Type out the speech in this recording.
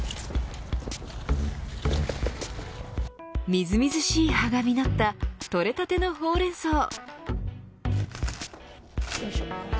みずみずしい葉が実った採れたてのホウレンソウ。